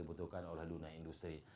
dibutuhkan oleh dunia industri